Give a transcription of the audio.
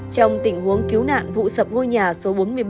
trong tình huống cứu nạn vụ sập ngôi nhà số bốn mươi bảy